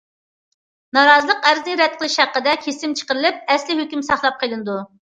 نارازىلىق ئەرزىنى رەت قىلىش ھەققىدە كېسىم چىقىرىلىپ، ئەسلىي ھۆكۈم ساقلاپ قېلىنىدۇ.